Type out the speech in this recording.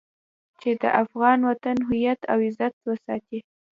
چې د افغان وطن هويت او عزت وساتي.